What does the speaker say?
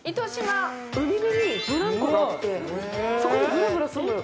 海辺にブランコがあってそこでブラブラするのよ。